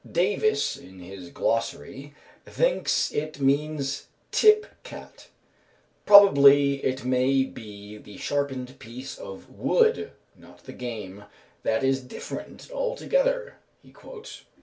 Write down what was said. Davis in his "Glossary" thinks it means "tip cat." Probably it may be the sharpened piece of wood, not the game, that is different altogether, he quotes.